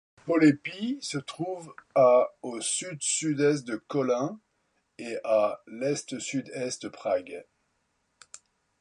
Polepy se trouve à au sud-sud-est de Kolín et à à l'est-sud-est de Prague.